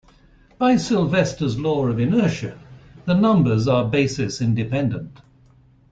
By Sylvester's law of inertia, the numbers are basis independent.